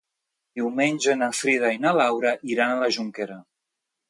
Diumenge na Frida i na Laura iran a la Jonquera.